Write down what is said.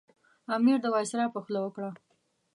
امیر د وایسرا په خوله وکړه.